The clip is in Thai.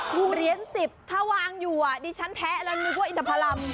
เหรียญ๑๐ถ้าวางอยู่ดิฉันแท้แล้วนึกว่าอินทพรรม